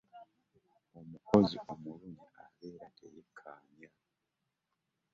Omukozi omulungi abeera teyeekaanya.